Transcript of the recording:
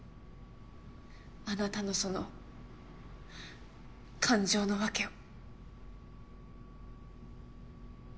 あなたのその感情のわけを。